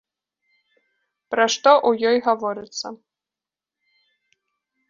Пра што ў ёй гаворыцца?